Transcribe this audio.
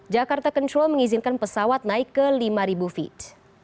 jakarta control mengizinkan pesawat naik ke lima feet